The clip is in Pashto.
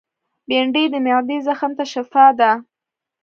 بېنډۍ د معدې زخم ته شفاء ده